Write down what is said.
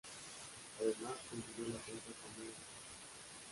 Además, consiguió el ascenso a Primera División.